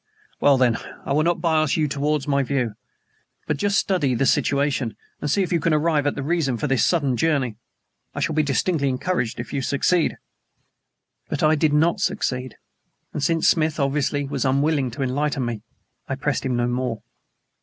"Well, then, I will not bias you towards my view. But just study the situation, and see if you can arrive at the reason for this sudden journey. I shall be distinctly encouraged if you succeed." But I did not succeed, and since Smith obviously was unwilling to enlighten me, I pressed him no more.